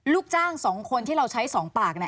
ลูกจ้างสองคนที่เราใช้สองปาก